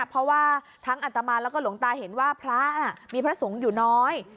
เพราะว่าทั้งอัตมาแล้วก็หลวงตาเห็นว่าพระน่ะมีพระสงฆ์อยู่น้อย